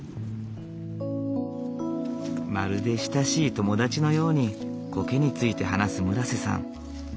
まるで親しい友達のようにコケについて話す村瀬さん。